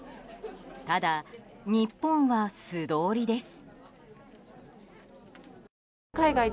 ただ、日本は素通りです。